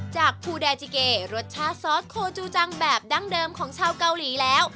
จากภูแดจิเกรสชาติซอสโคจูจังแบบดั้งเดิมของชาวเกาหลีแล้ว